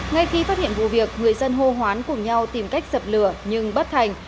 ngay khi phát hiện vụ việc người dân hô hoán cùng nhau tìm cách dập lửa nhưng bất thành